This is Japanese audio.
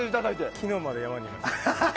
昨日まで山にいました。